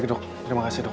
baik dok terima kasih dok